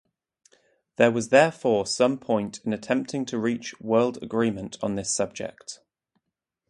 There was therefore some point in attempting to reach world agreement on this subject.